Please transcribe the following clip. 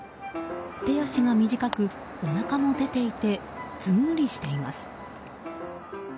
手足が短く、おなかも出ていてずんぐりしています。